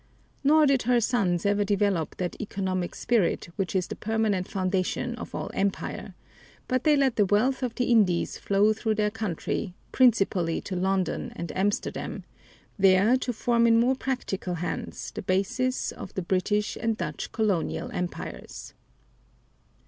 Nor did her sons ever develop that economic spirit which is the permanent foundation of all empire, but they let the wealth of the Indies flow through their country, principally to London and Amsterdam, there to form in more practical hands the basis of the British and Dutch colonial empires.